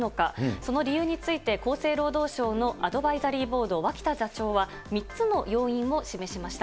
その理由について、厚生労働省のアドバイザリーボード、脇田座長は３つの要因を示しました。